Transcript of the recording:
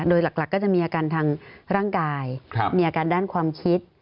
โดยหลักก็จะมีอาการทางร่างกายมีอาการด้านความคิด